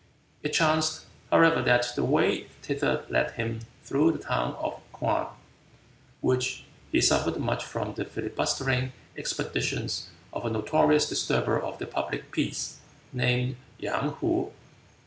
It chanced, however, that the way thither led him through the town of Kwang, which had suffered much from the filibustering expeditions of a notorious disturber of the public peace, named Yang Hoo.